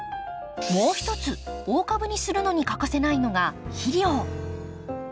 もう一つ大株にするのに欠かせないのが肥料。